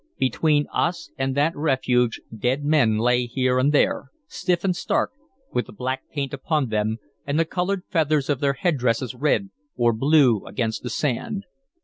Between us and that refuge dead men lay here and there, stiff and stark, with the black paint upon them, and the colored feathers of their headdresses red or blue against the sand.